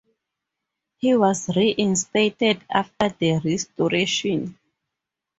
He was reinstated after the restoration.